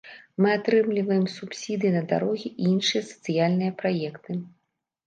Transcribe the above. Мы атрымліваем субсідыі на дарогі і іншыя сацыяльныя праекты.